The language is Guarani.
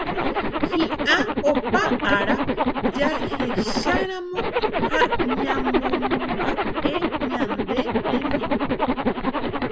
Hi'ã opa ára jahecharamo ha ñamomba'e ñane rembi'u